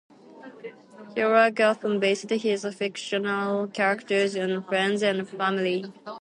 Kerouac often based his fictional characters on friends and family.